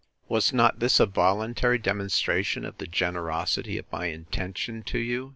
Was not this a voluntary demonstration of the generosity of my intention to you?